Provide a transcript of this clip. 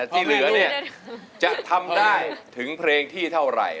ที่เหลือเนี่ยจะทำได้ถึงเพลงที่เท่าไหร่